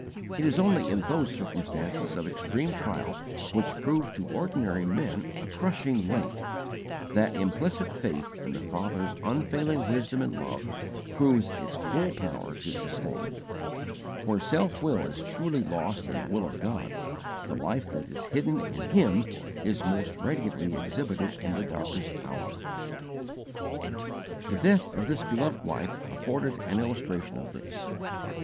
It is only in those circumstances of extreme trial which prove to ordinary men a crushing weight, that implicit faith in the Father's unfailing wisdom and love proves its full power to sustain. Where self will is truly lost in the will of God, the life that is hidden in Him is most radiantly exhibited in the darkest hour. The death of this beloved wife afforded an illustration of this.